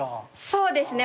そうですね。